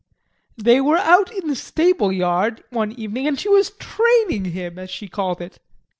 They were out in the stable yard one evening and she was "training" him as she called it.